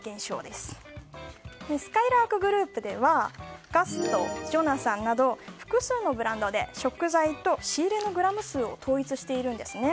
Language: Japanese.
すかいらーくグループではガスト、ジョナサンなど複数のブランドで食材の仕入れのグラム数を統一しているんです。